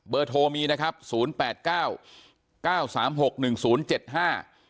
โทรมีนะครับศูนย์แปดเก้าเก้าสามหกหนึ่งศูนย์เจ็ดห้า